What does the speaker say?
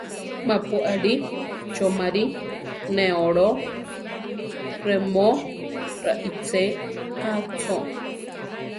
Ma pu aʼlí choʼmarí neʼólo, remó raʼiche ‘a cho.